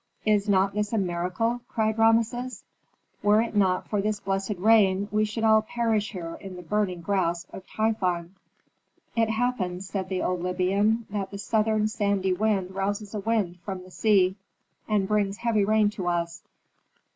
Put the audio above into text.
"Is not this a miracle?" cried Rameses. "Were it not for this blessed rain we should all perish here in the burning grasp of Typhon." "It happens," said the old Libyan, "that the southern sandy wind rouses a wind from the sea and brings heavy rain to us."